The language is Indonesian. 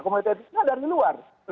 komite etiknya dari luar